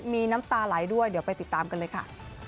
มีน้ำตาไหลด้วยเดี๋ยวไปติดตามกันเลยค่ะ